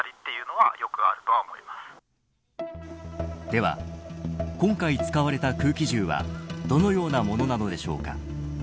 では、今回使われた空気銃はどのようなものなのでしょうか。